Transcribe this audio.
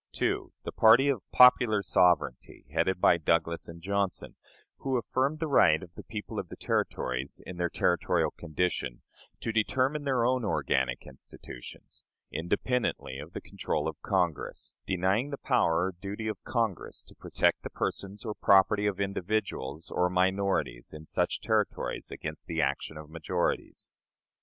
2. The party of "popular sovereignty," headed by Douglas and Johnson, who affirmed the right of the people of the Territories, in their territorial condition, to determine their own organic institutions, independently of the control of Congress; denying the power or duty of Congress to protect the persons or property of individuals or minorities in such Territories against the action of majorities.